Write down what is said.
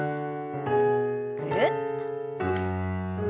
ぐるっと。